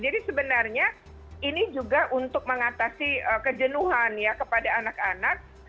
jadi sebenarnya ini juga untuk mengatasi kejenuhan ya kepada anak anak